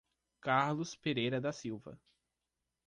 Carlos Pereira da Silva